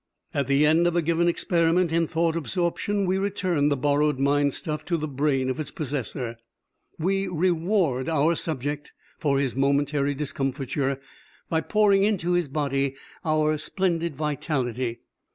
"At the end of a given experiment in thought absorption, we return the borrowed mind stuff to the brain of its possessor. We reward our subject for his momentary discomfiture by pouring into his body our splendid vitality.